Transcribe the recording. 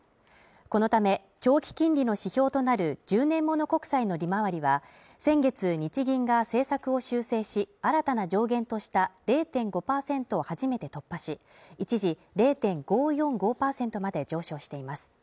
このため長期金利の指標となる１０年物国債の利回りは先月日銀が政策を修正し新たな上限とした０．５％を初めて突破し一時０．５４５％まで上昇しています